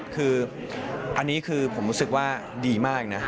คืออันนี้คือผมรู้สึกว่าดีมากนะ